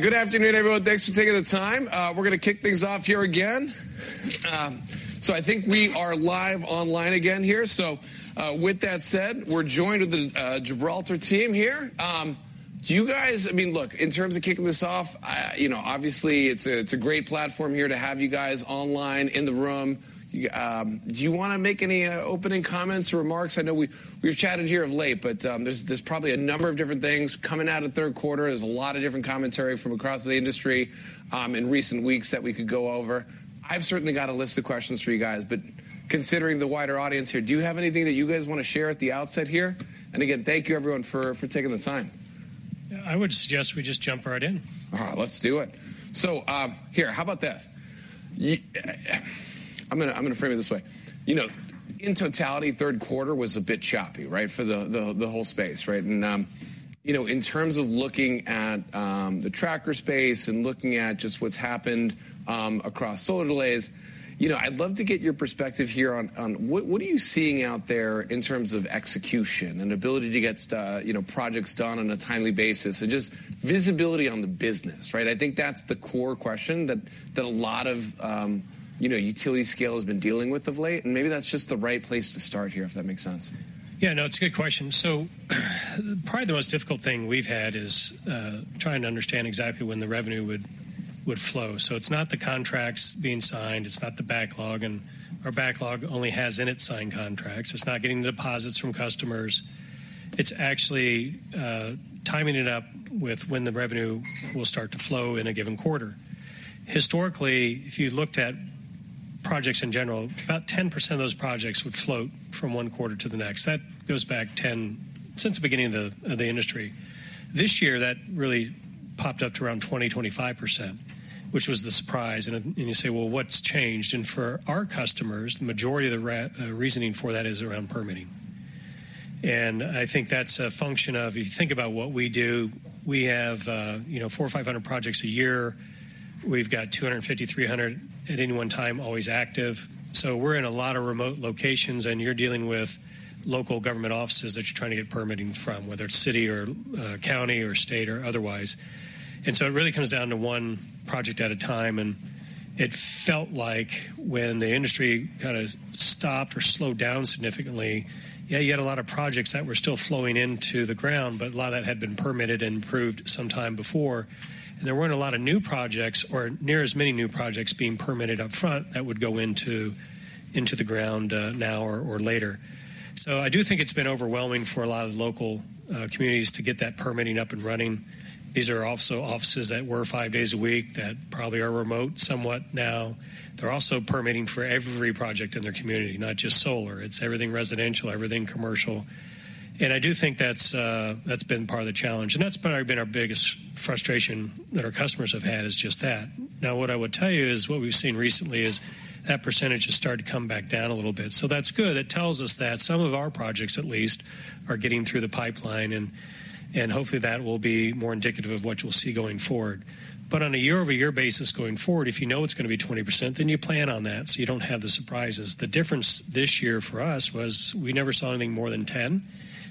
Good afternoon, everyone. Thanks for taking the time. We're gonna kick things off here again. So I think we are live online again here. So, with that said, we're joined with the Gibraltar team here. Do you guys—I mean, look, in terms of kicking this off, you know, obviously it's a great platform here to have you guys online, in the room. Do you wanna make any opening comments or remarks? I know we've chatted here of late, but, there's probably a number of different things coming out of the third quarter. There's a lot of different commentary from across the industry in recent weeks that we could go over. I've certainly got a list of questions for you guys, but considering the wider audience here, do you have anything that you guys wanna share at the outset here? And again, thank you everyone for taking the time. I would suggest we just jump right in. All right, let's do it. So, here, how about this? I'm gonna, I'm gonna frame it this way. You know, in totality, third quarter was a bit choppy, right, for the, the, the whole space, right? And, you know, in terms of looking at, the tracker space and looking at just what's happened, across solar delays, you know, I'd love to get your perspective here on, on what, what are you seeing out there in terms of execution and ability to get, you know, projects done on a timely basis, and just visibility on the business, right? I think that's the core question that, that a lot of, you know, utility scale has been dealing with of late, and maybe that's just the right place to start here, if that makes sense. Yeah, no, it's a good question. So probably the most difficult thing we've had is trying to understand exactly when the revenue would flow. So it's not the contracts being signed, it's not the backlog, and our backlog only has in it signed contracts. It's not getting the deposits from customers. It's actually timing it up with when the revenue will start to flow in a given quarter. Historically, if you looked at projects in general, about 10% of those projects would float from one quarter to the next. That goes back since the beginning of the industry. This year, that really popped up to around 20%-25%, which was the surprise. And you say, "Well, what's changed?" And for our customers, the majority of the reasoning for that is around permitting. And I think that's a function of, if you think about what we do, we have, you know, 400 or 500 projects a year. We've got 250, 300 at any one time, always active. So we're in a lot of remote locations, and you're dealing with local government offices that you're trying to get permitting from, whether it's city or county or state or otherwise. And so it really comes down to one project at a time, and it felt like when the industry kind of stopped or slowed down significantly, yeah, you had a lot of projects that were still flowing into the ground, but a lot of that had been permitted and approved some time before. There weren't a lot of new projects or near as many new projects being permitted up front that would go into, into the ground, now or, or later. So I do think it's been overwhelming for a lot of local, communities to get that permitting up and running. These are also offices that were five days a week, that probably are remote somewhat now. They're also permitting for every project in their community, not just solar. It's everything residential, everything commercial. And I do think that's, that's been part of the challenge, and that's probably been our biggest frustration that our customers have had, is just that. Now, what I would tell you is, what we've seen recently is that percentage has started to come back down a little bit. So that's good. It tells us that some of our projects, at least, are getting through the pipeline and hopefully, that will be more indicative of what you'll see going forward. But on a year-over-year basis going forward, if you know it's gonna be 20%, then you plan on that, so you don't have the surprises. The difference this year for us was we never saw anything more than 10.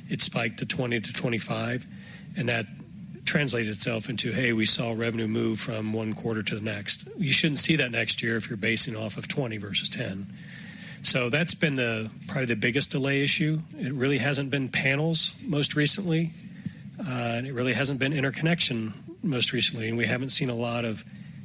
It spiked to 20% to 25%, and that translated itself into, "Hey, we saw revenue move from one quarter to the next." You shouldn't see that next year if you're basing it off of 20 versus 10. So that's been the, probably the biggest delay issue. It really hasn't been panels most recently, and it really hasn't been interconnection most recently, and we haven't seen a lot of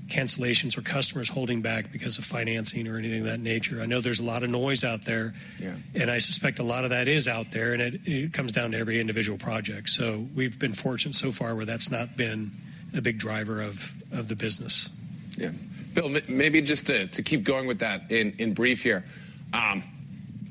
cancellations or customers holding back because of financing or anything of that nature. I know there's a lot of noise out there- Yeah. I suspect a lot of that is out there, and it comes down to every individual project. So we've been fortunate so far, where that's not been a big driver of the business. Yeah. Bill, maybe just to keep going with that in brief here,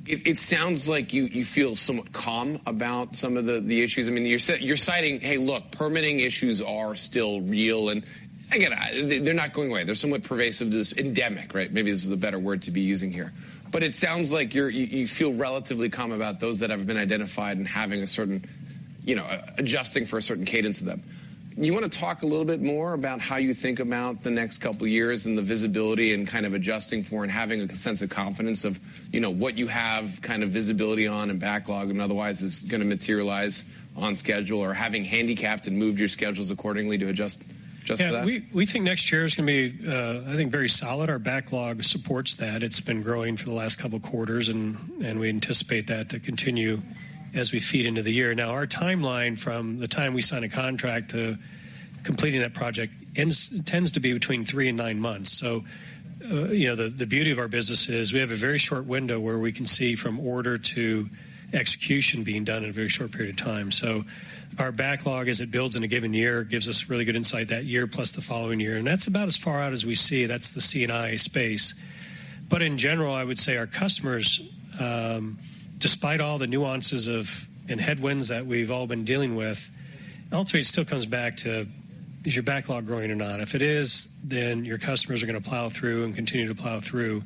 it sounds like you feel somewhat calm about some of the issues. I mean, you're citing, "Hey, look, permitting issues are still real," and again, they're not going away. They're somewhat pervasive. Just endemic, right? Maybe this is a better word to be using here. But it sounds like you feel relatively calm about those that have been identified and having a certain, you know, adjusting for a certain cadence of them. You wanna talk a little bit more about how you think about the next couple of years and the visibility and kind of adjusting for, and having a sense of confidence of, you know, what you have kind of visibility on and backlog and otherwise is gonna materialize on schedule, or having handicapped and moved your schedules accordingly to adjust, adjust to that? Yeah, we think next year is gonna be, I think, very solid. Our backlog supports that. It's been growing for the last couple of quarters and we anticipate that to continue as we feed into the year. Now, our timeline from the time we sign a contract to completing that project tends to be between three to 9 months. So, you know, the beauty of our business is we have a very short window where we can see from order to execution being done in a very short period of time. So our backlog, as it builds in a given year, gives us really good insight that year, plus the following year, and that's about as far out as we see. That's the C&I space. But in general, I would say our customers, despite all the nuances of, and headwinds that we've all been dealing with, ultimately it still comes back to, is your backlog growing or not? If it is, then your customers are gonna plow through and continue to plow through.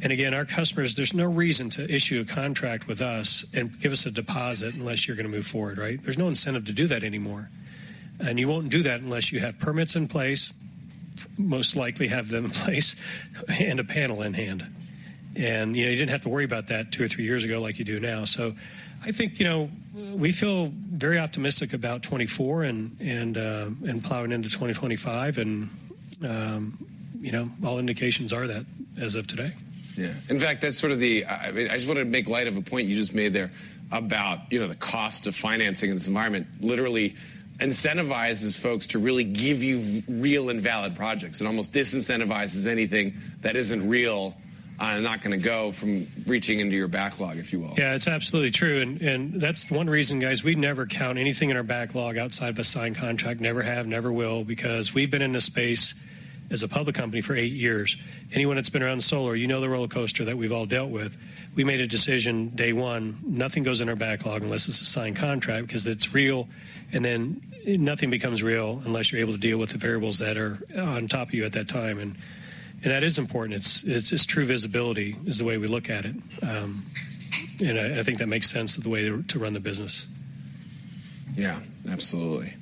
And again, our customers, there's no reason to issue a contract with us and give us a deposit unless you're gonna move forward, right? There's no incentive to do that anymore, and you won't do that unless you have permits in place, most likely have them in place and a panel in hand. And, you know, you didn't have to worry about that two or three years ago like you do now. So I think, you know, we feel very optimistic about 2024 and, and, and plowing into 2025. You know, all indications are that as of today. Yeah. In fact, that's sort of the. I, I just want to make light of a point you just made there about, you know, the cost of financing in this environment literally incentivizes folks to really give you real and valid projects and almost disincentivizes anything that isn't real, not gonna go from reaching into your backlog, if you will. Yeah, it's absolutely true, and that's one reason, guys, we never count anything in our backlog outside of a signed contract. Never have, never will, because we've been in this space as a public company for eight years. Anyone that's been around solar, you know the roller coaster that we've all dealt with. We made a decision day one, nothing goes in our backlog unless it's a signed contract, 'cause it's real, and then nothing becomes real unless you're able to deal with the variables that are on top of you at that time. And that is important. It's true visibility, is the way we look at it. And I think that makes sense of the way to run the business. Yeah, absolutely.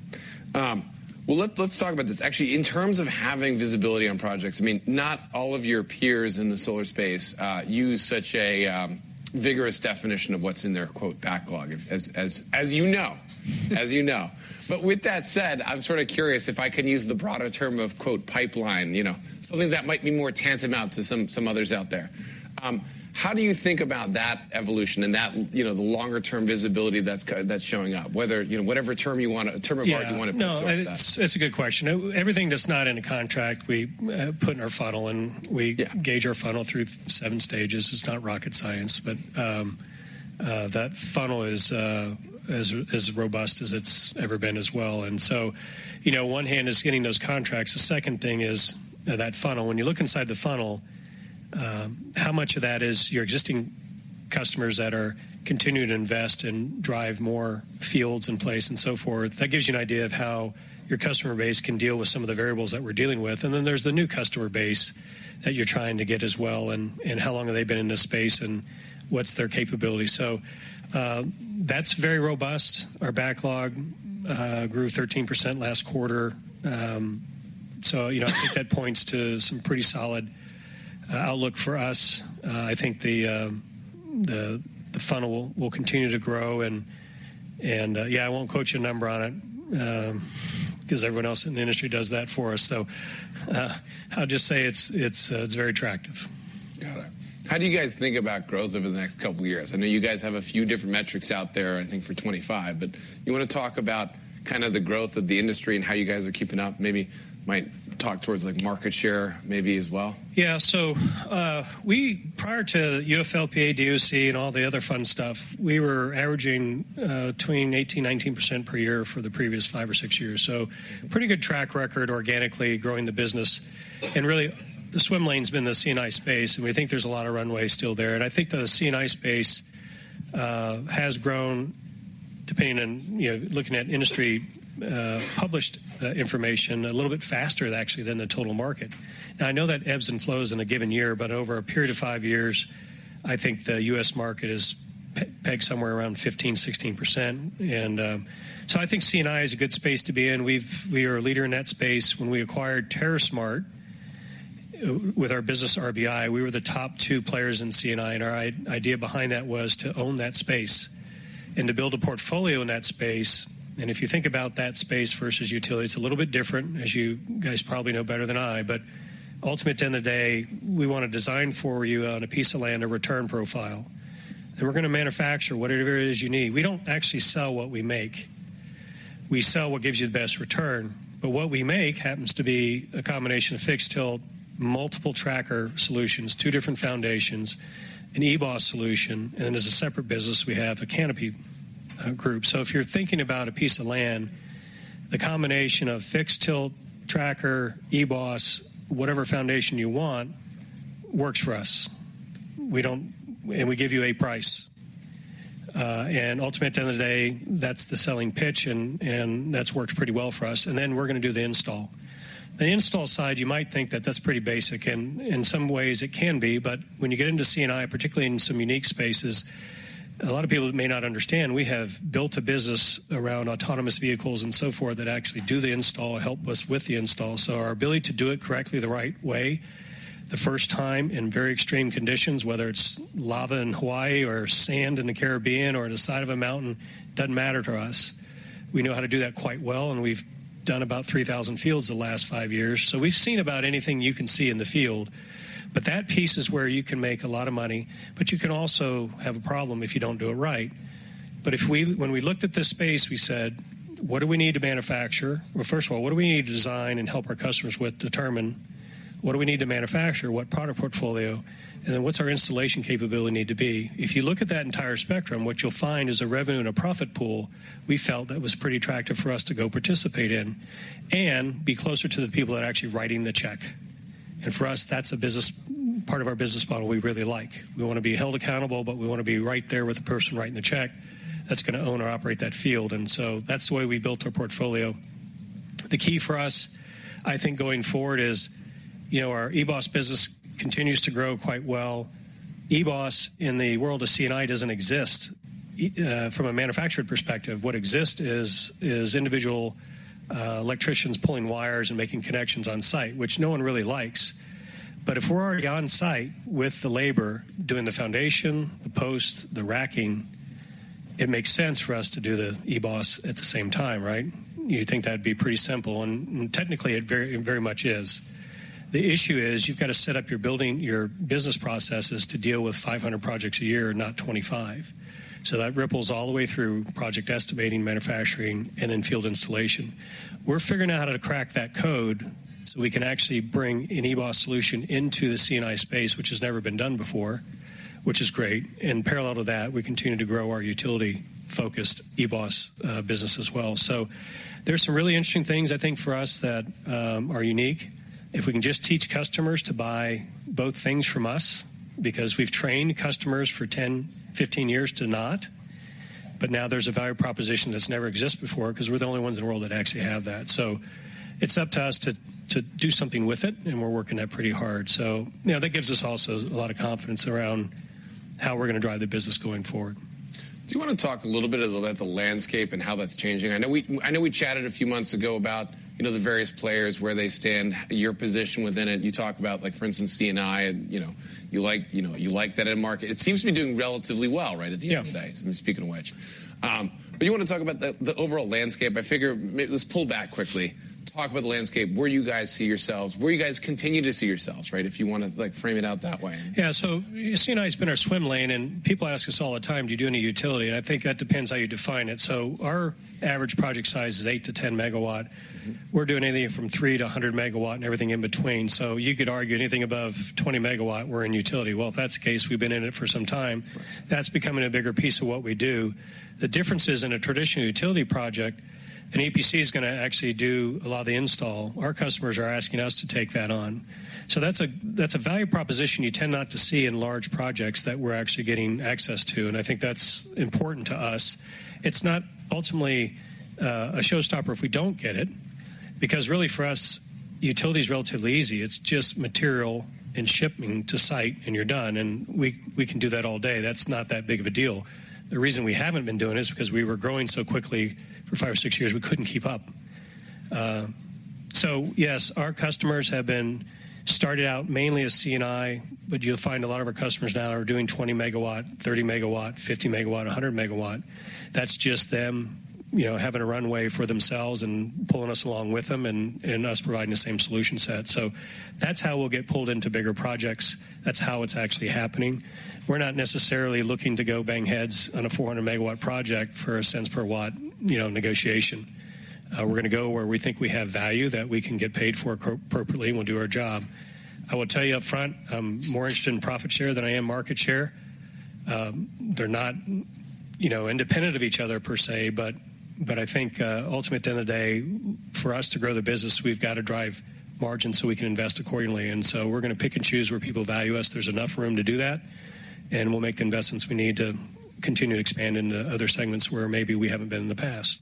Well, let's talk about this. Actually, in terms of having visibility on projects, I mean, not all of your peers in the solar space use such a vigorous definition of what's in their "backlog," as you know. But with that said, I'm sort of curious if I can use the broader term of "pipeline," you know, something that might be more tantamount to some others out there. How do you think about that evolution and that, you know, the longer term visibility that's showing up, whether, you know, whatever term of art you want to put to it? No, it's, it's a good question. Everything that's not in a contract, we put in our funnel, and we- Yeah Gauge our funnel through seven stages. It's not rocket science, but that funnel is as robust as it's ever been as well. On one hand is getting those contracts. The second thing is that funnel. When you look inside the funnel, how much of that is your existing customers that are continuing to invest and drive more fields in place and so forth? That gives you an idea of how your customer base can deal with some of the variables that we're dealing with. And then there's the new customer base that you're trying to get as well, and how long have they been in this space, and what's their capability? So, that's very robust. Our backlog grew 13% last quarter. So, you know, I think that points to some pretty solid outlook for us. I think the funnel will continue to grow and yeah, I won't quote you a number on it, 'cause everyone else in the industry does that for us. So, I'll just say it's very attractive. Got it. How do you guys think about growth over the next couple of years? I know you guys have a few different metrics out there, I think, for 2025, but you want to talk about kind of the growth of the industry and how you guys are keeping up. Maybe might talk towards, like, market share, maybe as well. Yeah. So, prior to UFLPA, DOC, and all the other fun stuff, we were averaging between 18%-19% per year for the previous five or six years. So pretty good track record, organically growing the business. And really, the swim lane's been the C&I space, and we think there's a lot of runway still there. And I think the C&I space has grown, depending on, you know, looking at industry published information, a little bit faster, actually, than the total market. Now, I know that ebbs and flows in a given year, but over a period of five years, I think the U.S. market is pegged somewhere around 15%-16%. So I think C&I is a good space to be in. We are a leader in that space. When we acquired Terrasmart with our business RBI, we were the top two players in C&I, and our idea behind that was to own that space and to build a portfolio in that space. And if you think about that space versus utility, it's a little bit different, as you guys probably know better than I. But ultimate, end of the day, we want to design for you on a piece of land, a return profile, and we're going to manufacture whatever it is you need. We don't actually sell what we make. We sell what gives you the best return. But what we make happens to be a combination of fixed tilt, multiple tracker solutions, two different foundations, an Ebos solution, and as a separate business, we have a canopy group. So if you're thinking about a piece of land, the combination of fixed tilt, tracker, Ebos, whatever foundation you want, works for us. And we give you a price. And ultimately, end of the day, that's the selling pitch, and that's worked pretty well for us. And then we're going to do the install. The install side, you might think that that's pretty basic, and in some ways it can be, but when you get into C&I, particularly in some unique spaces, a lot of people may not understand, we have built a business around autonomous vehicles and so forth, that actually do the install, help us with the install. So our ability to do it correctly, the right way, the first time in very extreme conditions, whether it's lava in Hawaii or sand in the Caribbean or the side of a mountain, doesn't matter to us. We know how to do that quite well, and we've done about 3,000 fields the last five years. So we've seen about anything you can see in the field. But that piece is where you can make a lot of money, but you can also have a problem if you don't do it right. But when we looked at this space, we said: What do we need to manufacture? Well, first of all, what do we need to design and help our customers with, determine what do we need to manufacture, what product portfolio, and then what's our installation capability need to be? If you look at that entire spectrum, what you'll find is a revenue and a profit pool we felt that was pretty attractive for us to go participate in and be closer to the people that are actually writing the check. And for us, that's a business, part of our business model we really like. We want to be held accountable, but we want to be right there with the person writing the check that's going to own or operate that field. And so that's the way we built our portfolio. The key for us, I think, going forward, is... You know, our Ebos business continues to grow quite well. Ebos, in the world of C&I, doesn't exist from a manufactured perspective. What exists is individual electricians pulling wires and making connections on site, which no one really likes. But if we're already on site with the labor, doing the foundation, the post, the racking, it makes sense for us to do the EBOS at the same time, right? You think that'd be pretty simple, and, and technically, it very, it very much is. The issue is you've got to set up your building, your business processes to deal with 500 projects a year, not 25. So that ripples all the way through project estimating, manufacturing, and then field installation. We're figuring out how to crack that code so we can actually bring an EBOS solution into the C&I space, which has never been done before, which is great. And parallel to that, we continue to grow our utility-focused EBOS business as well. So there's some really interesting things, I think, for us, that are unique. If we can just teach customers to buy both things from us, because we've trained customers for 10, 15 years to not. But now there's a value proposition that's never existed before, 'cause we're the only ones in the world that actually have that. So it's up to us to do something with it, and we're working that pretty hard. So, you know, that gives us also a lot of confidence around how we're gonna drive the business going forward. Do you wanna talk a little bit about the landscape and how that's changing? I know we chatted a few months ago about, you know, the various players, where they stand, your position within it. You talked about like, for instance, C&I, and, you know, you like that end market. It seems to be doing relatively well, right, at the end of the day- Yeah. Speaking of which. But you want to talk about the, the overall landscape? I figure. Let's pull back quickly. Talk about the landscape, where you guys see yourselves, where you guys continue to see yourselves, right? If you wanna, like, frame it out that way. Yeah, so C&I has been our swim lane, and people ask us all the time, "Do you do any utility?" And I think that depends how you define it. So our average project size is 8 MW MW-10 MW. Mm-hmm. We're doing anything from 3 MW to 100 MW and everything in between. So you could argue anything above 20 MW, we're in utility. Well, if that's the case, we've been in it for some time. Right. That's becoming a bigger piece of what we do. The difference is, in a traditional utility project, an EPC is gonna actually do a lot of the install. Our customers are asking us to take that on. So that's a, that's a value proposition you tend not to see in large projects that we're actually getting access to, and I think that's important to us. It's not ultimately a showstopper if we don't get it, because really, for us, utility is relatively easy. It's just material and shipping to site, and you're done, and we, we can do that all day. That's not that big of a deal. The reason we haven't been doing it is because we were growing so quickly for five or six years, we couldn't keep up. So yes, our customers have been started out mainly as C&I, but you'll find a lot of our customers now are doing 20 MW, 30 MW, 50 MW, 100 MW. That's just them, you know, having a runway for themselves and pulling us along with them and, and us providing the same solution set. So that's how we'll get pulled into bigger projects. That's how it's actually happening. We're not necessarily looking to go bang heads on a 400 MW project for a cents per watt, you know, negotiation. We're gonna go where we think we have value, that we can get paid for appropriately, and we'll do our job. I will tell you up front, I'm more interested in profit share than I am market share. They're not, you know, independent of each other per se, but I think at the end of the day, for us to grow the business, we've got to drive margins so we can invest accordingly, and so we're gonna pick and choose where people value us. There's enough room to do that, and we'll make the investments we need to continue to expand into other segments where maybe we haven't been in the past.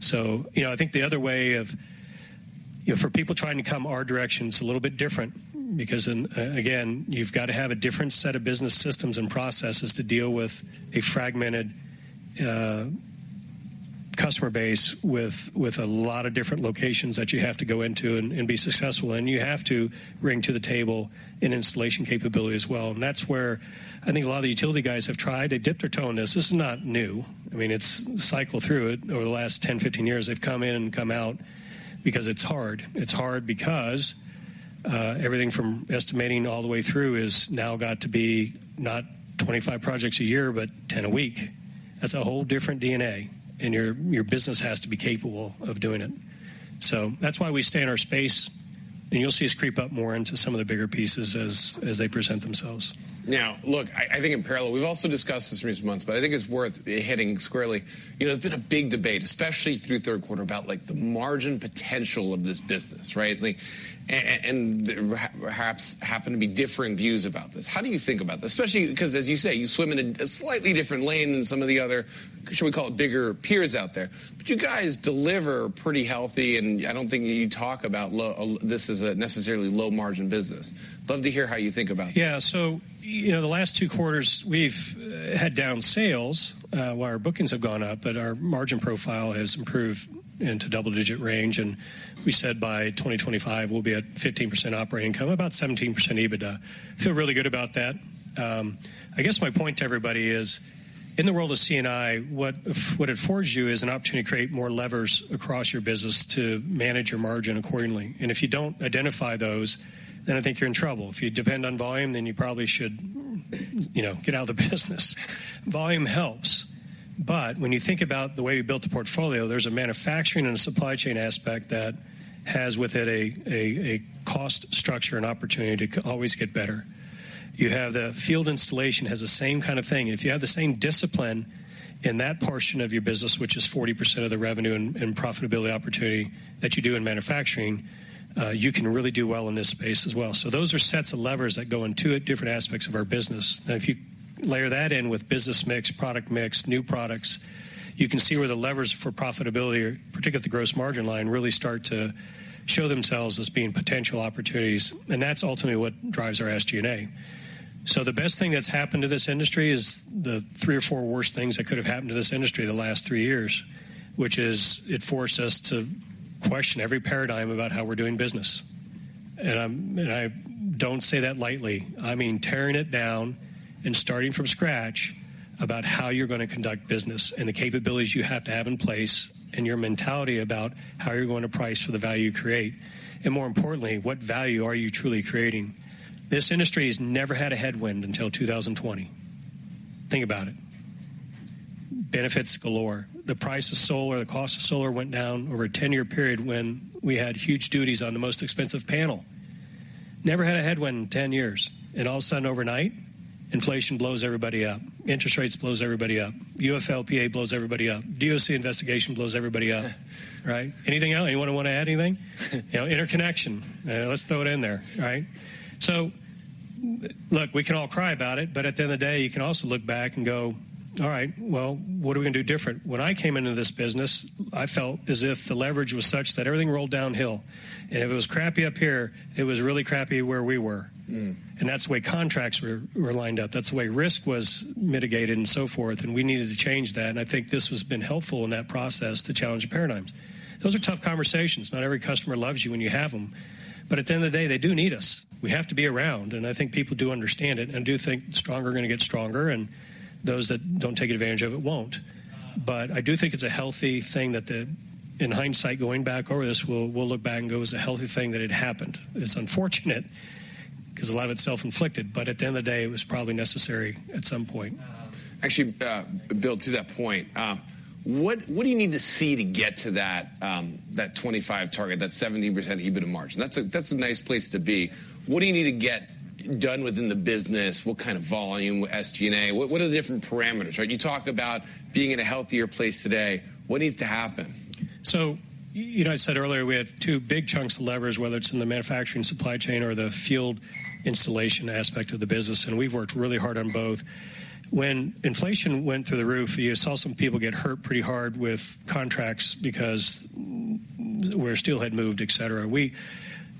So, you know, I think the other way of... You know, for people trying to come our direction, it's a little bit different because again, you've got to have a different set of business systems and processes to deal with a fragmented customer base, with a lot of different locations that you have to go into and be successful, and you have to bring to the table an installation capability as well. And that's where I think a lot of the utility guys have tried. They dipped their toe in this. This is not new. I mean, it's cycled through it over the last 10, 15 years. They've come in and come out because it's hard. It's hard because everything from estimating all the way through has now got to be not 25 projects a year, but 10 a week. That's a whole different DNA, and your business has to be capable of doing it. So that's why we stay in our space, and you'll see us creep up more into some of the bigger pieces as they present themselves. Now, look, I think in parallel, we've also discussed this in recent months, but I think it's worth hitting squarely. You know, there's been a big debate, especially through third quarter, about like, the margin potential of this business, right? Like, and perhaps happen to be differing views about this. How do you think about this? Especially because, as you say, you swim in a slightly different lane than some of the other, should we call it, bigger peers out there. But you guys deliver pretty healthy, and I don't think you talk about low—this as a necessarily low-margin business. Love to hear how you think about it. Yeah, so you know, the last two quarters, we've had down sales, while our bookings have gone up, but our margin profile has improved into double-digit range, and we said by 2025, we'll be at 15% operating income, about 17% EBITDA. Feel really good about that. I guess my point to everybody is, in the world of C&I, what it affords you is an opportunity to create more levers across your business to manage your margin accordingly, and if you don't identify those, then I think you're in trouble. If you depend on volume, then you probably should, you know, get out of the business. Volume helps, but when you think about the way we built the portfolio, there's a manufacturing and a supply chain aspect that has within it a cost structure and opportunity to always get better. You have the field installation, has the same kind of thing. If you have the same discipline in that portion of your business, which is 40% of the revenue and profitability opportunity that you do in manufacturing, you can really do well in this space as well. So those are sets of levers that go in two different aspects of our business, that if you layer that in with business mix, product mix, new products, you can see where the levers for profitability, particularly the gross margin line, really start to show themselves as being potential opportunities, and that's ultimately what drives our SG&A. So the best thing that's happened to this industry is the three or four worst things that could have happened to this industry the last three years, which is it forced us to question every paradigm about how we're doing business. I don't say that lightly. I mean, tearing it down and starting from scratch about how you're going to conduct business and the capabilities you have to have in place, and your mentality about how you're going to price for the value you create. And more importantly, what value are you truly creating? This industry has never had a headwind until 2020. Think about it. Benefits galore. The price of solar, the cost of solar went down over a 10-year period when we had huge duties on the most expensive panel. Never had a headwind in 10 years, and all of a sudden, overnight, inflation blows everybody up, interest rates blows everybody up, UFLPA blows everybody up, DOC investigation blows everybody up, right? Anything else? Anyone want to add anything? You know, interconnection, let's throw it in there, right? So look, we can all cry about it, but at the end of the day, you can also look back and go, "All right, well, what are we going to do different?" When I came into this business, I felt as if the leverage was such that everything rolled downhill, and if it was crappy up here, it was really crappy where we were. Mm-hmm. That's the way contracts were lined up. That's the way risk was mitigated and so forth, and we needed to change that, and I think this has been helpful in that process to challenge the paradigms. Those are tough conversations. Not every customer loves you when you have them, but at the end of the day, they do need us. We have to be around, and I think people do understand it and do think the stronger are going to get stronger, and those that don't take advantage of it won't. But I do think it's a healthy thing that the... In hindsight, going back over this, we'll look back and go, "It was a healthy thing that it happened." It's unfortunate because a lot of it's self-inflicted, but at the end of the day, it was probably necessary at some point. Actually, Bill, to that point, what, what do you need to see to get to that, that 25 target, that 17% EBIT margin? That's a, that's a nice place to be. What do you need to get done within the business? What kind of volume, SG&A? What, what are the different parameters, right? You talked about being in a healthier place today. What needs to happen? So, you know, I said earlier we have two big chunks of leverage, whether it's in the manufacturing supply chain or the field installation aspect of the business, and we've worked really hard on both. When inflation went through the roof, you saw some people get hurt pretty hard with contracts because where steel had moved, et cetera.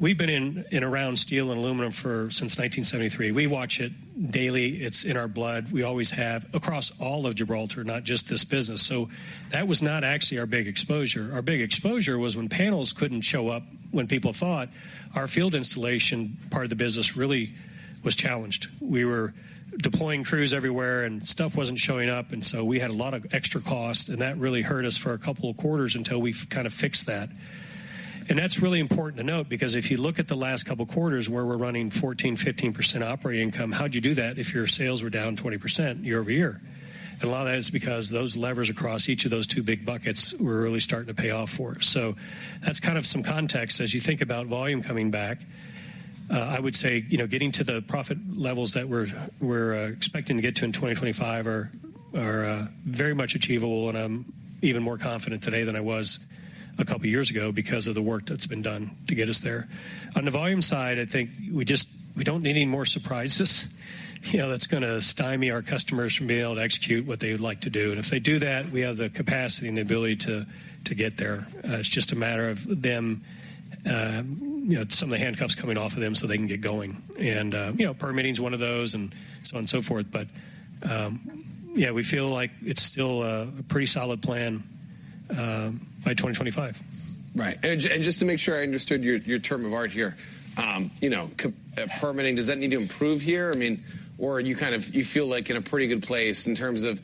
We've been in and around steel and aluminum since 1973. We watch it daily. It's in our blood. We always have, across all of Gibraltar, not just this business. So that was not actually our big exposure. Our big exposure was when panels couldn't show up, when people thought our field installation, part of the business, really was challenged. We were deploying crews everywhere, and stuff wasn't showing up, and so we had a lot of extra costs, and that really hurt us for a couple of quarters until we kind of fixed that. And that's really important to note, because if you look at the last couple of quarters where we're running 14%, 15% operating income, how'd you do that if your sales were down 20% year-over-year? And a lot of that is because those levers across each of those two big buckets were really starting to pay off for us. So that's kind of some context. As you think about volume coming back, I would say, you know, getting to the profit levels that we're expecting to get to in 2025 are very much achievable, and I'm even more confident today than I was a couple of years ago because of the work that's been done to get us there. On the volume side, I think we just we don't need any more surprises, you know, that's gonna stymie our customers from being able to execute what they would like to do. And if they do that, we have the capacity and the ability to get there. It's just a matter of them, you know, some of the handcuffs coming off of them so they can get going and, you know, permitting is one of those and so on and so forth. But, yeah, we feel like it's still a pretty solid plan by 2025. Right. And just to make sure I understood your, your term of art here, you know, co-permitting, does that need to improve here? I mean, or you kind of—you feel like in a pretty good place in terms of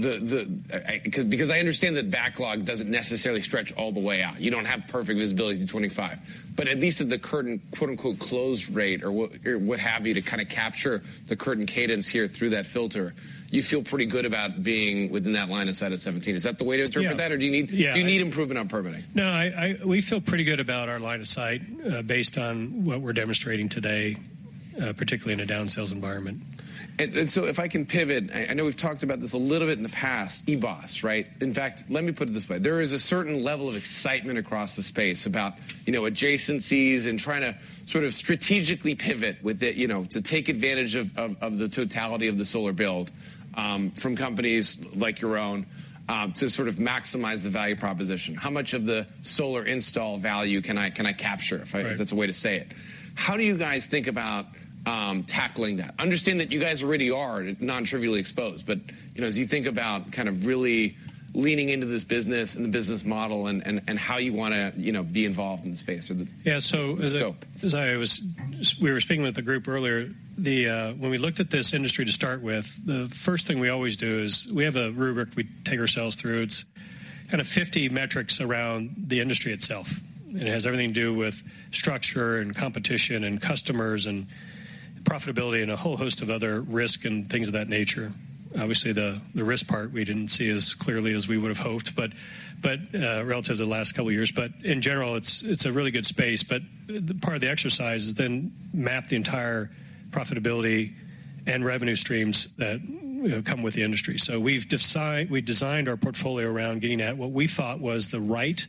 the because I understand that backlog doesn't necessarily stretch all the way out. You don't have perfect visibility to 25, but at least at the current, quote-unquote, "close rate" or what have you, to kind of capture the current cadence here through that filter, you feel pretty good about being within that line of sight of 17. Is that the way to interpret that? Yeah. Or do you need- Yeah. Do you need improvement on permitting? No, we feel pretty good about our line of sight, based on what we're demonstrating today, particularly in a down sales environment. So if I can pivot, I know we've talked about this a little bit in the past, Ebos, right? In fact, let me put it this way: There is a certain level of excitement across the space about, you know, adjacencies and trying to sort of strategically pivot with it, you know, to take advantage of the totality of the solar build, from companies like your own, to sort of maximize the value proposition. How much of the solar install value can I capture- Right... if that's a way to say it? How do you guys think about tackling that? I understand that you guys already are non-trivially exposed, but, you know, as you think about kind of really leaning into this business and the business model and how you wanna, you know, be involved in the space or the- Yeah, so- Scope... as I was, we were speaking with the group earlier, the, when we looked at this industry to start with, the first thing we always do is we have a rubric we take ourselves through. It's kind of 50 metrics around the industry itself, and it has everything to do with structure and competition and customers and profitability and a whole host of other risk and things of that nature. Obviously, the risk part we didn't see as clearly as we would have hoped, but relative to the last couple of years. But in general, it's a really good space, but part of the exercise is then map the entire profitability and revenue streams that, you know, come with the industry. So we've designed our portfolio around getting at what we thought was the right-...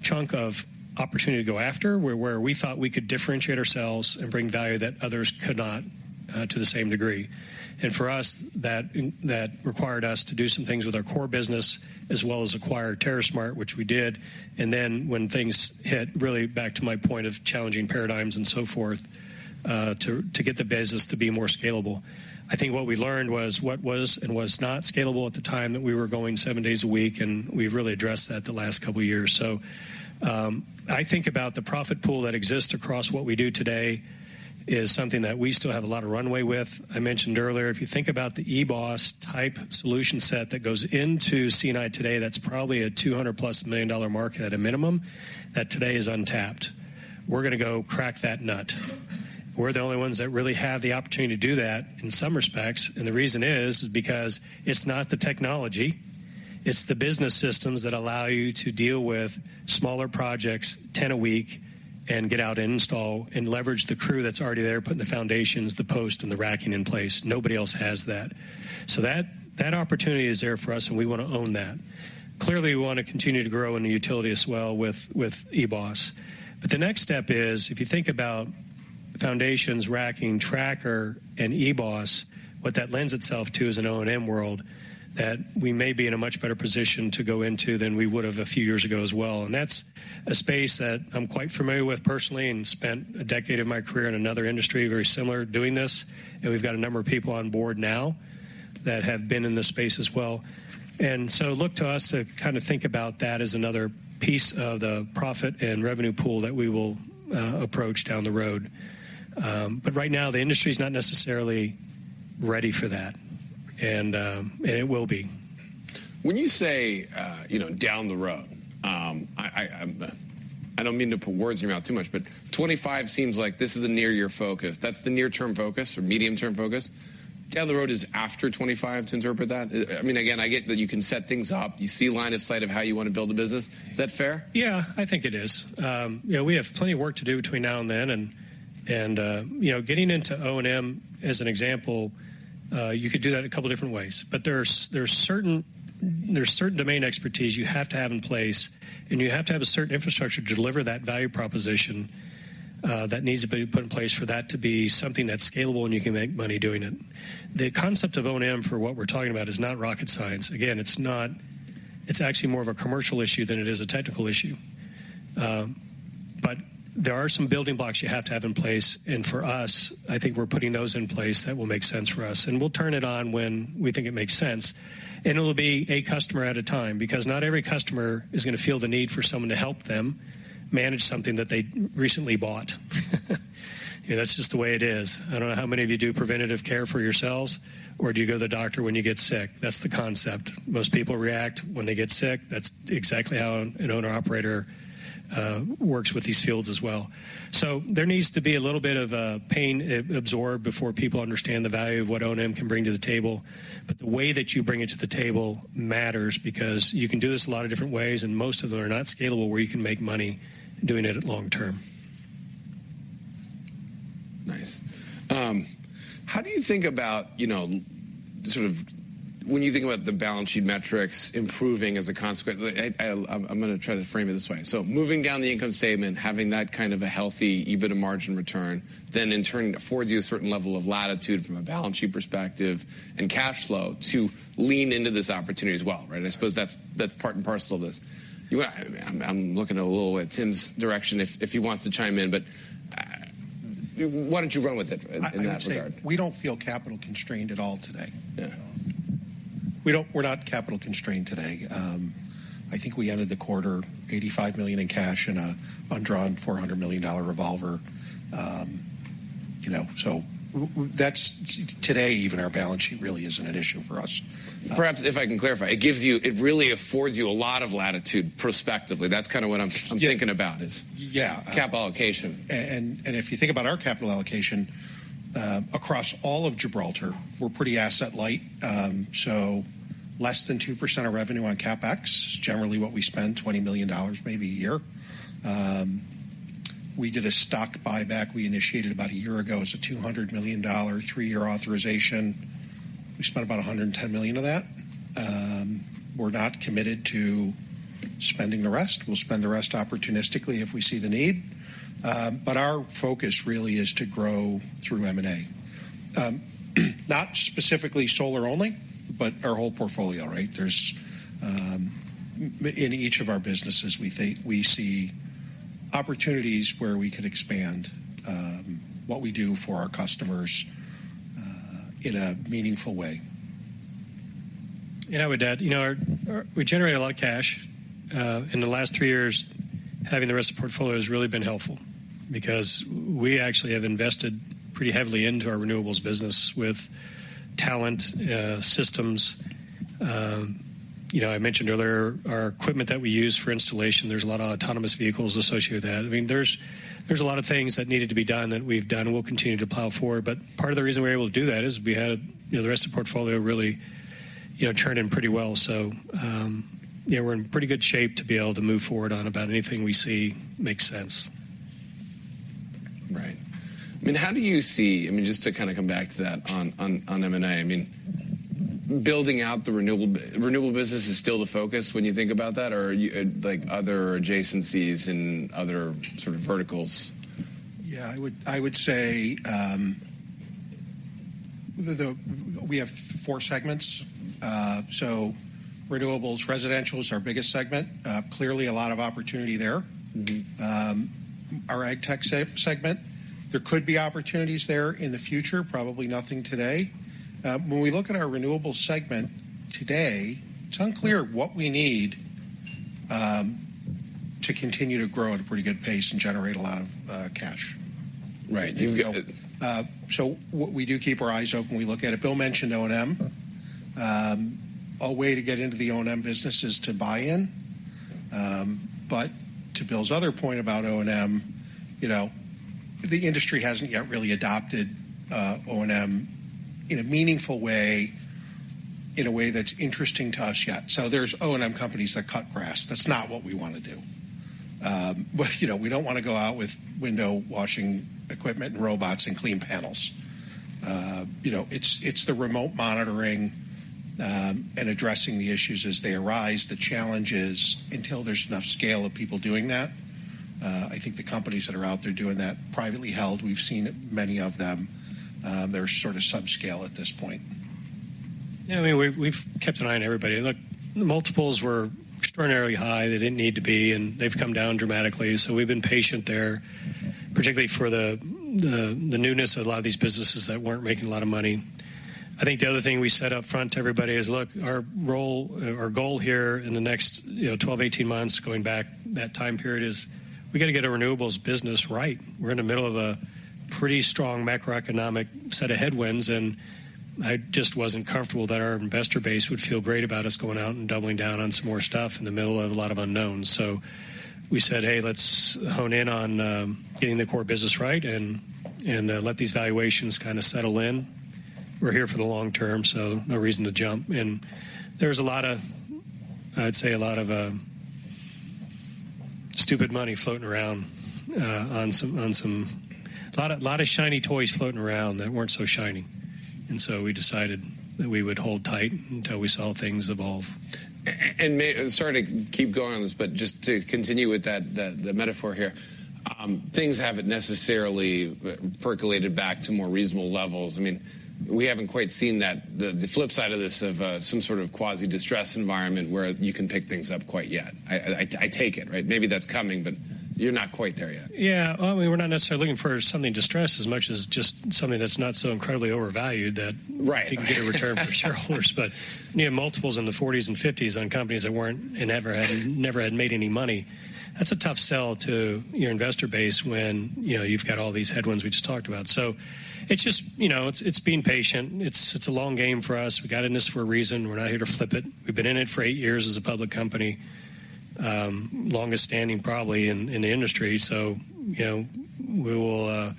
chunk of opportunity to go after, where we thought we could differentiate ourselves and bring value that others could not, to the same degree. And for us, that required us to do some things with our core business as well as acquire Terrasmart, which we did. And then when things hit, really back to my point of challenging paradigms and so forth, to get the business to be more scalable. I think what we learned was what was and was not scalable at the time, that we were going seven days a week, and we've really addressed that the last couple of years. So, I think about the profit pool that exists across what we do today is something that we still have a lot of runway with. I mentioned earlier, if you think about the Ebos-type solution set that goes into C&I today, that's probably a $200+ million market at a minimum, that today is untapped. We're going to go crack that nut. We're the only ones that really have the opportunity to do that in some respects, and the reason is, is because it's not the technology, it's the business systems that allow you to deal with smaller projects, 10 a week, and get out and install and leverage the crew that's already there, putting the foundations, the post, and the racking in place. Nobody else has that. So that, that opportunity is there for us, and we want to own that. Clearly, we want to continue to grow in the utility as well with, with EBOS. But the next step is, if you think about foundations, racking, tracker, and Ebos, what that lends itself to is an O&M world that we may be in a much better position to go into than we would have a few years ago as well. And that's a space that I'm quite familiar with personally and spent a decade of my career in another industry, very similar, doing this. And we've got a number of people on board now that have been in this space as well. And so look to us to kind of think about that as another piece of the profit and revenue pool that we will approach down the road. But right now, the industry is not necessarily ready for that, and it will be. When you say, you know, down the road, I don't mean to put words in your mouth too much, but 25 seems like this is the near-term focus. That's the near-term focus or medium-term focus. Down the road is after 25, to interpret that? I mean, again, I get that you can set things up. You see line of sight of how you want to build a business. Is that fair? Yeah, I think it is. You know, we have plenty of work to do between now and then, and you know, getting into O&M, as an example, you could do that a couple different ways. But there's certain domain expertise you have to have in place, and you have to have a certain infrastructure to deliver that value proposition that needs to be put in place for that to be something that's scalable and you can make money doing it. The concept of O&M for what we're talking about is not rocket science. Again, it's not. It's actually more of a commercial issue than it is a technical issue. But there are some building blocks you have to have in place, and for us, I think we're putting those in place. That will make sense for us, and we'll turn it on when we think it makes sense. And it'll be a customer at a time, because not every customer is going to feel the need for someone to help them manage something that they recently bought. That's just the way it is. I don't know how many of you do preventative care for yourselves, or do you go to the doctor when you get sick? That's the concept. Most people react when they get sick. That's exactly how an owner-operator works with these fields as well. So there needs to be a little bit of a pain absorbed before people understand the value of what O&M can bring to the table. But the way that you bring it to the table matters, because you can do this a lot of different ways, and most of them are not scalable, where you can make money doing it long term. Nice. How do you think about, you know, sort of when you think about the balance sheet metrics improving as a consequence... I'm going to try to frame it this way. So moving down the income statement, having that kind of a healthy EBITDA margin return, then in turn, it affords you a certain level of latitude from a balance sheet perspective and cash flow to lean into this opportunity as well, right? I suppose that's part and parcel of this. I'm looking a little at Tim's direction, if he wants to chime in, but why don't you run with it in that regard? I would say, we don't feel capital constrained at all today. Yeah. We're not capital constrained today. I think we ended the quarter $85 million in cash in an undrawn $400 million revolver. You know, so that's today, even our balance sheet really isn't an issue for us. Perhaps if I can clarify, it gives you, it really affords you a lot of latitude prospectively. That's kind of what I'm- Yeah. -thinking about is- Yeah. -cap allocation. If you think about our capital allocation across all of Gibraltar, we're pretty asset light. So less than 2% of revenue on CapEx, generally what we spend, $20 million, maybe a year. We did a stock buyback we initiated about a year ago. It's a $200 million, three-year authorization. We spent about $110 million of that. We're not committed to spending the rest. We'll spend the rest opportunistically if we see the need. But our focus really is to grow through M&A. Not specifically solar only, but our whole portfolio, right? There's in each of our businesses, we think we see opportunities where we can expand what we do for our customers in a meaningful way. And I would add, you know, our. We generate a lot of cash. In the last three years, having the rest of portfolio has really been helpful because we actually have invested pretty heavily into our renewables business with talent, systems. You know, I mentioned earlier, our equipment that we use for installation, there's a lot of autonomous vehicles associated with that. I mean, there's a lot of things that needed to be done that we've done, and we'll continue to plow forward. But part of the reason we're able to do that is we had, you know, the rest of the portfolio really, you know, churn in pretty well. Yeah, we're in pretty good shape to be able to move forward on about anything we see makes sense. ... I mean, how do you see—I mean, just to kind of come back to that on M&A, I mean, building out the renewable business is still the focus when you think about that? Or you like other adjacencies and other sort of verticals? Yeah, I would, I would say, we have four segments. So renewables, residential is our biggest segment. Clearly a lot of opportunity there. Mm-hmm. Our Agtech segment, there could be opportunities there in the future. Probably nothing today. When we look at our renewables segment today, it's unclear what we need to continue to grow at a pretty good pace and generate a lot of cash. Right. You've got- So what we do, keep our eyes open, we look at it. Bill mentioned O&M. Mm-hmm. A way to get into the O&M business is to buy in. But to Bill's other point about O&M, you know, the industry hasn't yet really adopted O&M in a meaningful way, in a way that's interesting to us yet. So there's O&M companies that cut grass. That's not what we wanna do. You know, we don't wanna go out with window washing equipment and robots and clean panels. You know, it's the remote monitoring and addressing the issues as they arise, the challenges. Until there's enough scale of people doing that, I think the companies that are out there doing that privately held, we've seen many of them, they're sort of subscale at this point. Yeah, I mean, we've kept an eye on everybody. Look, the multiples were extraordinarily high. They didn't need to be, and they've come down dramatically, so we've been patient there, particularly for the newness of a lot of these businesses that weren't making a lot of money. I think the other thing we said up front to everybody is, "Look, our role, our goal here in the next, you know, 12, 18 months," going back that time period, "is we gotta get our renewables business right." We're in the middle of a pretty strong macroeconomic set of headwinds, and I just wasn't comfortable that our investor base would feel great about us going out and doubling down on some more stuff in the middle of a lot of unknowns. So we said, "Hey, let's hone in on getting the core business right and let these valuations kind of settle in. We're here for the long term, so no reason to jump." And there's a lot of... I'd say, a lot of stupid money floating around on some... A lot of shiny toys floating around that weren't so shiny, and so we decided that we would hold tight until we saw things evolve. And, sorry to keep going on this, but just to continue with that, the metaphor here. Things haven't necessarily percolated back to more reasonable levels. I mean, we haven't quite seen that, the flip side of this, of some sort of quasi-distressed environment where you can pick things up quite yet. I take it, right? Maybe that's coming, but you're not quite there yet. Yeah, well, I mean, we're not necessarily looking for something distressed as much as just something that's not so incredibly overvalued that- Right. You can get a return for shareholders. But, you know, multiples in the 40s and 50s on companies that never had made any money, that's a tough sell to your investor base when, you know, you've got all these headwinds we just talked about. So it's just, you know, it's being patient. It's a long game for us. We got in this for a reason. We're not here to flip it. We've been in it for eight years as a public company, longest standing probably in the industry. So, you know, we will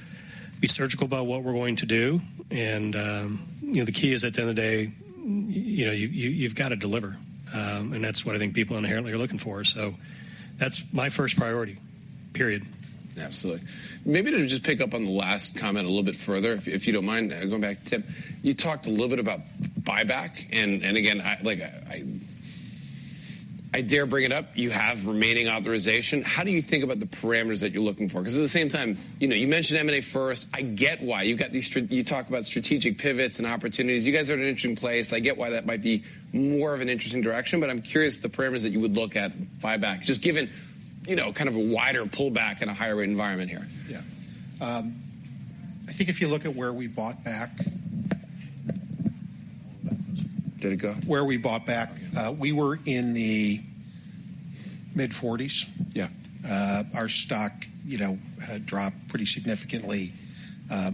be surgical about what we're going to do. And, you know, the key is, at the end of the day, you know, you've got to deliver. And that's what I think people inherently are looking for. So that's my first priority, period. Absolutely. Maybe to just pick up on the last comment a little bit further, if you don't mind, going back to Tim. You talked a little bit about buyback and again, I like dare bring it up. You have remaining authorization. How do you think about the parameters that you're looking for? Because at the same time, you know, you mentioned M&A first. I get why. You talk about strategic pivots and opportunities. You guys are in an interesting place. I get why that might be more of an interesting direction, but I'm curious the parameters that you would look at buyback, just given, you know, kind of a wider pullback in a higher rate environment here. Yeah. I think if you look at where we bought back- Did it go? Where we bought back, we were in the mid-40s. Yeah. Our stock, you know, had dropped pretty significantly.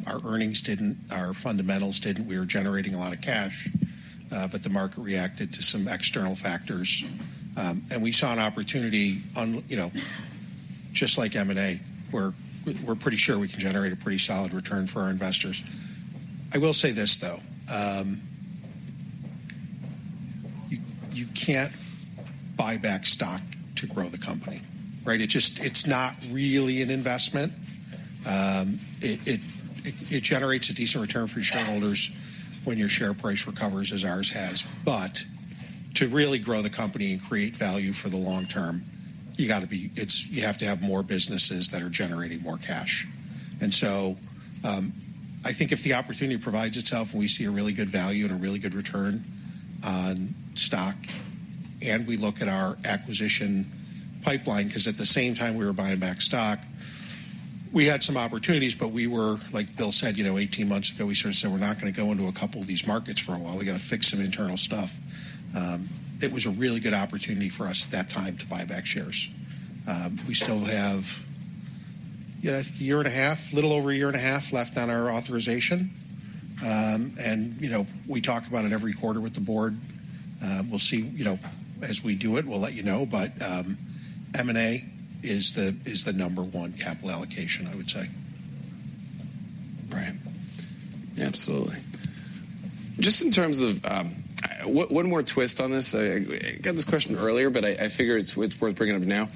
Our earnings didn't, our fundamentals didn't. We were generating a lot of cash, but the market reacted to some external factors. And we saw an opportunity on, you know, just like M&A, where we're pretty sure we can generate a pretty solid return for our investors. I will say this, though, you can't buy back stock to grow the company, right? It just, it's not really an investment. It generates a decent return for your shareholders when your share price recovers, as ours has. But to really grow the company and create value for the long term, you got to be, it's, you have to have more businesses that are generating more cash. And so, I think if the opportunity provides itself, and we see a really good value and a really good return on stock, and we look at our acquisition pipeline, 'cause at the same time we were buying back stock, we had some opportunities, but we were, like Bill said, you know, 18 months ago, we sort of said: We're not gonna go into a couple of these markets for a while. We got to fix some internal stuff. It was a really good opportunity for us at that time to buy back shares. We still have a year and a half, little over a year and a half left on our authorization. And, you know, we talk about it every quarter with the board. We'll see, you know, as we do it, we'll let you know, but M&A is the number one capital allocation, I would say.... Absolutely. Just in terms of one more twist on this. I got this question earlier, but I figure it's worth bringing up now.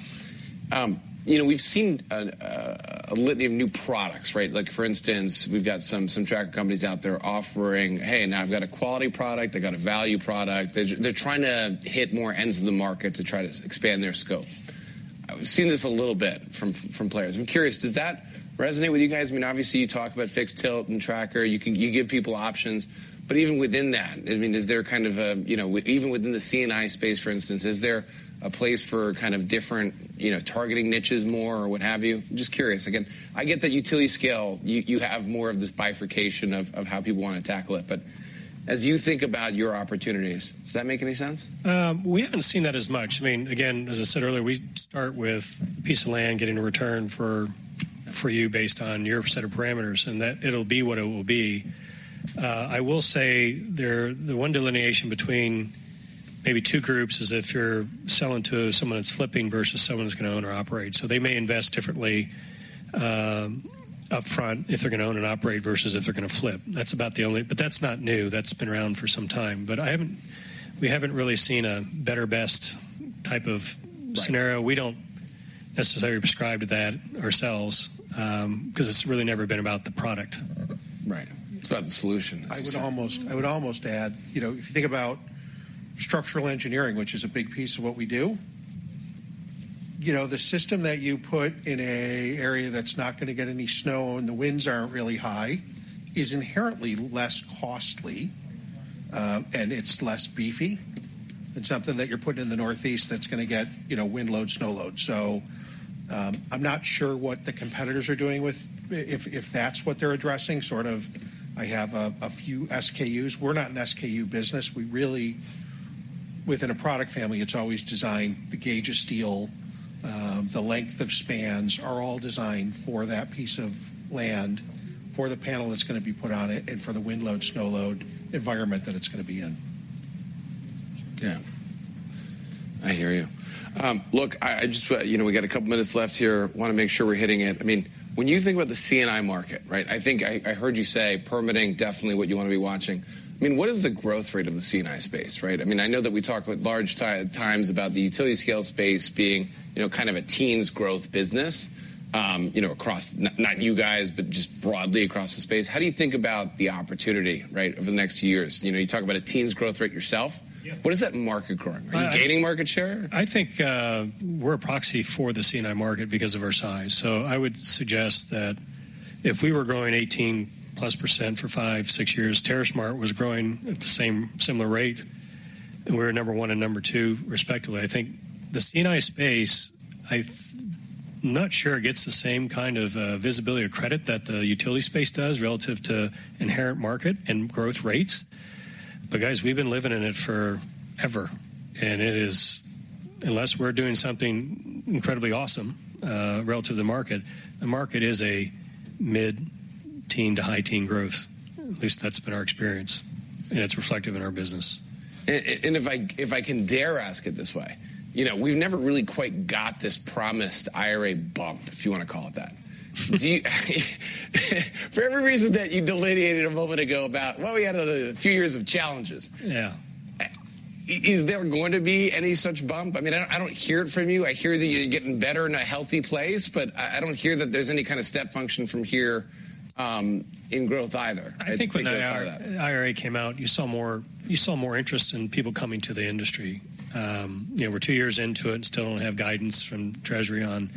You know, we've seen a litany of new products, right? Like, for instance, we've got some tracker companies out there offering, "Hey, now I've got a quality product, I've got a value product." They're trying to hit more ends of the market to try to expand their scope. I've seen this a little bit from players. I'm curious, does that resonate with you guys? I mean, obviously, you talk about fixed tilt and tracker. You give people options, but even within that, I mean, is there kind of a, you know, even within the C&I space, for instance, is there a place for kind of different, you know, targeting niches more or what have you? Just curious. Again, I get that utility scale, you have more of this bifurcation of how people want to tackle it, but as you think about your opportunities, does that make any sense? We haven't seen that as much. I mean, again, as I said earlier, we start with a piece of land, getting a return for you based on your set of parameters, and that it'll be what it will be. I will say the one delineation between maybe two groups is if you're selling to someone that's flipping versus someone that's gonna own or operate. So they may invest differently, upfront if they're gonna own and operate versus if they're gonna flip. That's about the only... But that's not new. That's been around for some time. But we haven't really seen a better, best type of- Right. -scenario. We don't necessarily subscribe to that ourselves, 'cause it's really never been about the product. Right. It's about the solution. I would almost, I would almost add, you know, if you think about structural engineering, which is a big piece of what we do, you know, the system that you put in an area that's not gonna get any snow, and the winds aren't really high, is inherently less costly, and it's less beefy than something that you're putting in the Northeast that's gonna get, you know, wind load, snow load. So, I'm not sure what the competitors are doing with... If that's what they're addressing, sort of, I have a few SKUs. We're not an SKU business. We really, within a product family, it's always designed, the gauge of steel, the length of spans are all designed for that piece of land, for the panel that's gonna be put on it, and for the wind load, snow load environment that it's gonna be in. Yeah. I hear you. Look, I just, you know, we got a couple minutes left here. Wanna make sure we're hitting it. I mean, when you think about the C&I market, right, I think I heard you say permitting, definitely what you want to be watching. I mean, what is the growth rate of the C&I space, right? I mean, I know that we talk with large titans about the utility scale space being, you know, kind of a teens growth business, you know, across, not you guys, but just broadly across the space. How do you think about the opportunity, right, over the next two years? You know, you talk about a teens growth rate yourself. Yeah. What is that market growing? Are you gaining market share? I think we're a proxy for the C&I market because of our size. So I would suggest that if we were growing 18%+ for five to six years, Terrasmart was growing at the same similar rate, and we're number one and number two, respectively. I think the C&I space. I'm not sure it gets the same kind of visibility or credit that the utility space does relative to inherent market and growth rates. But guys, we've been living in it forever, and it is... Unless we're doing something incredibly awesome relative to the market, the market is a mid-teen to high-teen growth. At least that's been our experience, and it's reflective in our business. And if I can dare ask it this way, you know, we've never really quite got this promised IRA bump, if you want to call it that. Do you... For every reason that you delineated a moment ago about, well, we had a few years of challenges. Yeah. Is there going to be any such bump? I mean, I don't, I don't hear it from you. I hear that you're getting better in a healthy place, but I, I don't hear that there's any kind of step function from here, in growth either. I think when the IRA came out, you saw more, you saw more interest in people coming to the industry. You know, we're two years into it and still don't have guidance from Treasury on the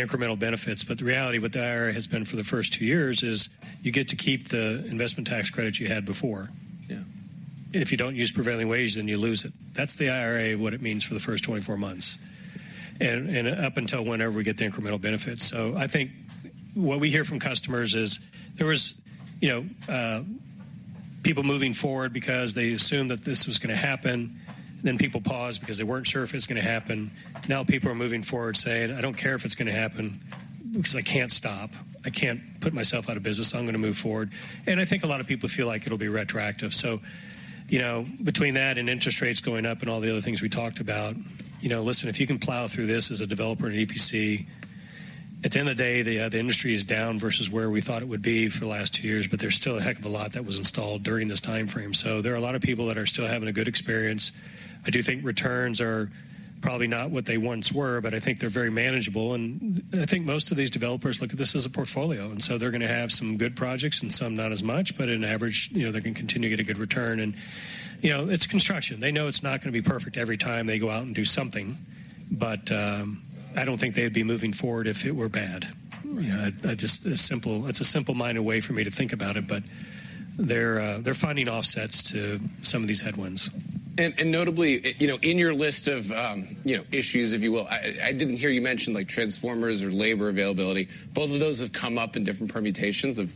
incremental benefits, but the reality with the IRA has been for the first two years, is you get to keep the investment tax credits you had before. Yeah. If you don't use prevailing wages, then you lose it. That's the IRA, what it means for the first 24 months and, and up until whenever we get the incremental benefits. So I think what we hear from customers is there was, you know, people moving forward because they assumed that this was gonna happen. Then people paused because they weren't sure if it was gonna happen. Now, people are moving forward saying, "I don't care if it's gonna happen because I can't stop. I can't put myself out of business, so I'm gonna move forward." And I think a lot of people feel like it'll be retroactive. So, you know, between that and interest rates going up and all the other things we talked about, you know, listen, if you can plow through this as a developer in EPC, at the end of the day, the industry is down versus where we thought it would be for the last two years, but there's still a heck of a lot that was installed during this timeframe. So there are a lot of people that are still having a good experience. I do think returns are probably not what they once were, but I think they're very manageable, and I think most of these developers look at this as a portfolio, and so they're gonna have some good projects and some not as much, but on average, you know, they can continue to get a good return. And, you know, it's construction. They know it's not gonna be perfect every time they go out and do something, but, I don't think they'd be moving forward if it were bad. Right. You know, just a simple, it's a simple-minded way for me to think about it, but they're, they're finding offsets to some of these headwinds. Notably, you know, in your list of, you know, issues, if you will, I didn't hear you mention, like, transformers or labor availability. Both of those have come up in different permutations of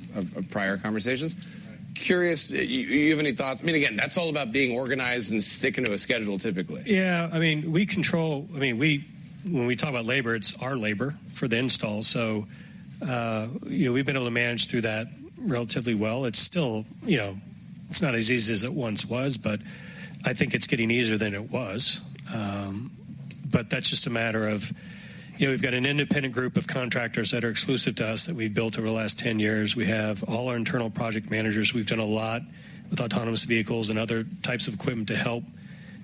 prior conversations. Right. Curious, do you, do you have any thoughts? I mean, again, that's all about being organized and sticking to a schedule, typically. Yeah. I mean, when we talk about labor, it's our labor for the install. So, you know, we've been able to manage through that relatively well. It's still, you know, it's not as easy as it once was, but I think it's getting easier than it was. But that's just a matter of, you know, we've got an independent group of contractors that are exclusive to us that we've built over the last 10 years. We have all our internal project managers. We've done a lot with autonomous vehicles and other types of equipment to help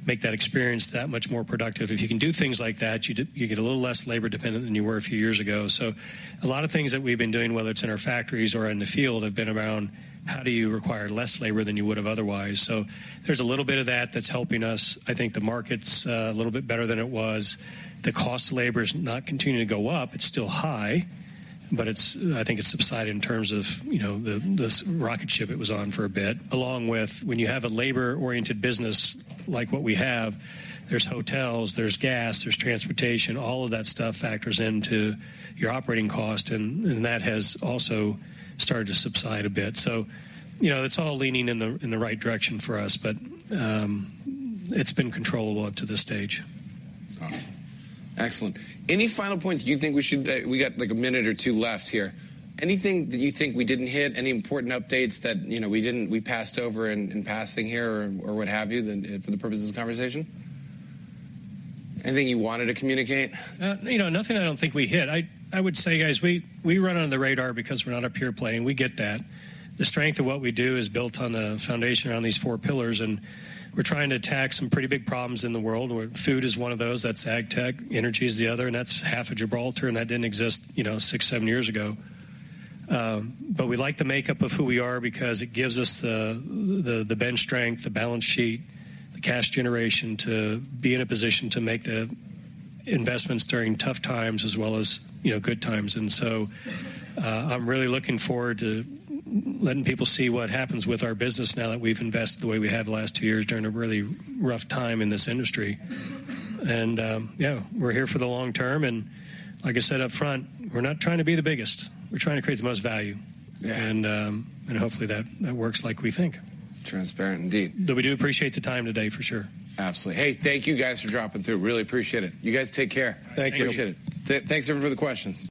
make that experience that much more productive. If you can do things like that, you get a little less labor dependent than you were a few years ago. So a lot of things that we've been doing, whether it's in our factories or in the field, have been around, how do you require less labor than you would have otherwise? So there's a little bit of that that's helping us. I think the market's a little bit better than it was. The cost of labor is not continuing to go up. It's still high, but I think it's subsided in terms of, you know, the this rocket ship it was on for a bit. Along with when you have a labor-oriented business like what we have, there's hotels, there's gas, there's transportation, all of that stuff factors into your operating cost, and that has also started to subside a bit. So, you know, it's all leaning in the in the right direction for us, but it's been controllable up to this stage. Awesome. Excellent. Any final points you think we should... We got, like, a minute or two left here. Anything that you think we didn't hit? Any important updates that, you know, we didn't—we passed over in passing here or what have you, that for the purposes of the conversation? Anything you wanted to communicate? You know, nothing I don't think we hit. I would say, guys, we run under the radar because we're not a pure play, and we get that. The strength of what we do is built on the foundation around these four pillars, and we're trying to attack some pretty big problems in the world, where food is one of those, that's Agtech. Energy is the other, and that's half of Gibraltar, and that didn't exist, you know, six, seven years ago. But we like the makeup of who we are because it gives us the bench strength, the balance sheet, the cash generation, to be in a position to make the investments during tough times as well as, you know, good times. I'm really looking forward to letting people see what happens with our business now that we've invested the way we have the last two years during a really rough time in this industry. Yeah, we're here for the long term, and like I said up front, we're not trying to be the biggest. We're trying to create the most value. Yeah. Hopefully that works like we think. Transparent indeed. We do appreciate the time today, for sure. Absolutely. Hey, thank you guys for dropping through. Really appreciate it. You guys take care. Thank you. Appreciate it. Thanks, everyone, for the questions.